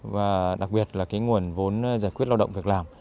và đặc biệt là cái nguồn vốn giải quyết lao động việc làm